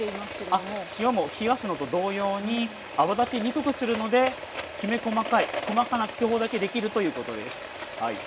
あっ塩も冷やすのと同様に泡立ちにくくするのできめ細かい細かな気泡だけできるということですはい。